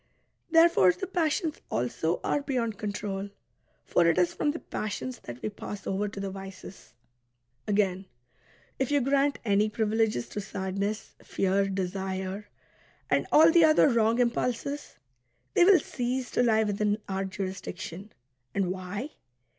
Therefore the passions also are beyond control ; for it is from the passions that we pass over to the vices. Again, if you grant any privileges to sadness, fear, desire, and all the other wrong impulses, they will cease to lie within our jurisdiction. And why?